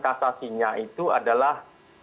atasinya itu adalah